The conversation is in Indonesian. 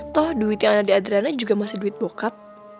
toh duit yang ada di adrana juga masih duit bokap